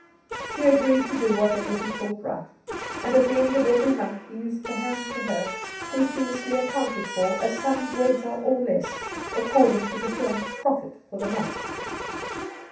She agreed to do whatever he thought right ; and at the end of every month he used to hand to her, scrupulously accounted for, a sum greater or less, according to ' the firm's profits for the month.'